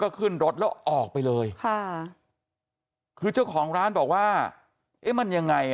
ก็ขึ้นรถแล้วออกไปเลยค่ะคือเจ้าของร้านบอกว่าเอ๊ะมันยังไงอ่ะ